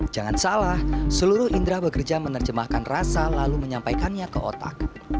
jangan salah seluruh indra bekerja menerjemahkan rasa lalu menyampaikannya ke otak